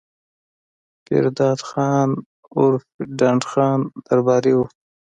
پير داد خان عرف ډنډ خان درباري وو